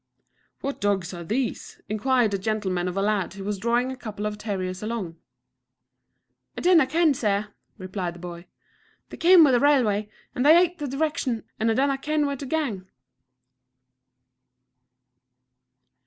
"What dogs are these?" inquired a gentleman of a lad who was drawing a couple of terriers along. "I dinna ken, Sir," replied the boy; "they cam' wi' the railway, and they ate the direction, and dinna ken where to gang."